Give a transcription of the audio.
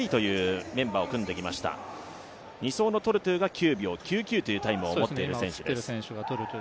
２走のトルトゥが９秒９９というタイムを持っている選手です。